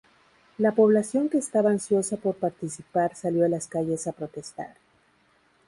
La población que estaba ansiosa por participar salió a las calles a protestar.